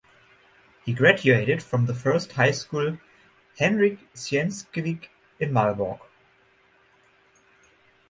He graduated from the First High School Henryk Sienkiewicz in Malbork.